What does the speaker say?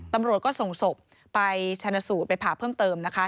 ตำรวจก็ส่งศพไปชนะสูตรไปผ่าเพิ่มเติมนะคะ